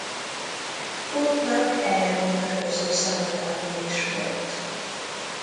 Cortnak erre vonatkozó szabadalma is volt.